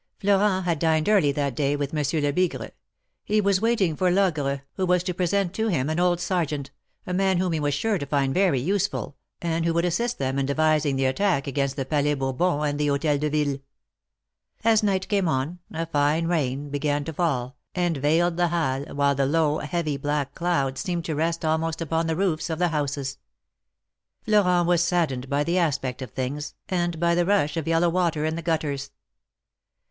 Florenthad dined early that day with Monsieur Lebigrc. He was waiting for Logre, who was to present to him an old Sergeant, a man whom he was sure to find very useful. 280 THE MARKETS OF PARIS. and who would assist them in devising the attack against the Palais Bourbon and the Hotel de Ville. As night came on, a fine rain began to fall, and veiled the Halles, while the low, heavy, black clouds seemed to rest almost upon the roofs of the houses. Florent was saddened by the aspect of things, and by the rush of yellow water in the gutters.